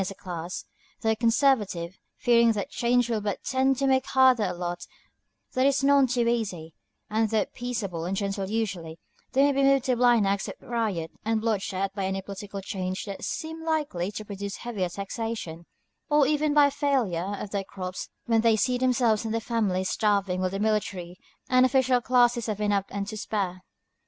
This is true of the héimin as a class: they are conservative, fearing that change will but tend to make harder a lot that is none too easy; and though peaceable and gentle usually, they may be moved to blind acts of riot and bloodshed by any political change that seems likely to produce heavier taxation, or even by a failure of their crops, when they see themselves and their families starving while the military and official classes have enough and to spare.